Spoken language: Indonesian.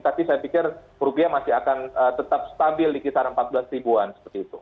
tapi saya pikir rupiah masih akan tetap stabil di kisaran empat belas ribuan seperti itu